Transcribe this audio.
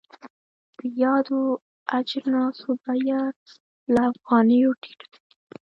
د یادو اجناسو بیه له افغانیو ټیټه وي.